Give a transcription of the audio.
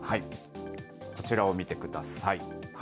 こちらを見てください。